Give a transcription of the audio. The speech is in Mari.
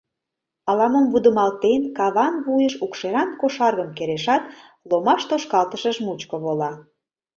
Ала-мом вудымалтен, каван вуйыш укшеран кошаргым керешат, ломаш тошкалтышыж мучко вола.